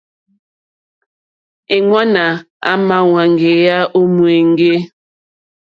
Èŋwánà àmà wáŋgéyà ó ŋwɛ̀ŋgɛ̀.